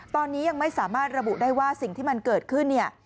ตอนนี้ยังไม่สามารถระบุได้ว่าสิ่งที่มันเกิดขึ้นเนี่ย